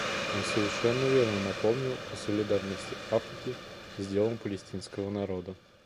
Он совершенно верно напомнил о солидарности Африки с делом палестинского народа.